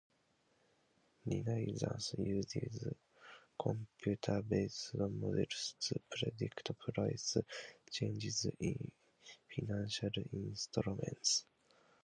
Renaissance uses computer-based models to predict price changes in financial instruments.